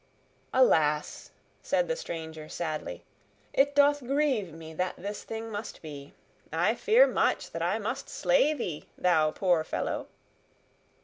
"Alas!" said the stranger sadly, "it doth grieve me that this thing must be. I fear much that I must slay thee, thou poor fellow!"